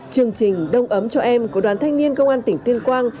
chương trình đông ấm cho em của đoàn thanh niên công an tỉnh tuyên quang